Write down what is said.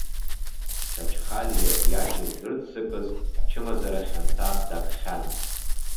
Чачхалиа иаџьал зырццакыз ачымазара хьанҭа дакхьан.